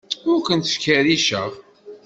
Ur ken-ttkerriceɣ.